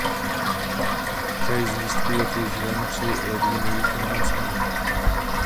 Čaj z listů je používán při ledvinových onemocněních.